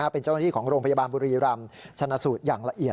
เป็นเจ้าหน้าที่ของโรงพยาบาลบุรีรำชนะสูตรอย่างละเอียด